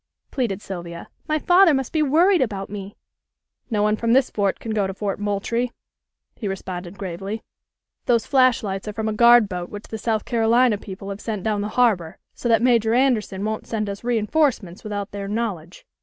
pleaded Sylvia. "My father must be worried about me." "No one from this fort can go to Fort Moultrie," he responded gravely. "Those flash lights are from a guard boat which the South Carolina people have sent down the harbor so that Major Anderson won't send us reinforcements without their knowledge.